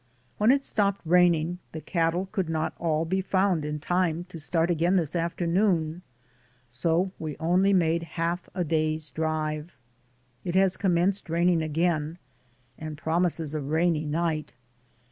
When it stopped raining, the cattle could not all be found in time to start again this after noon, so we only made half a day's drive. It has commenced raining again, and prom ises a rainy night.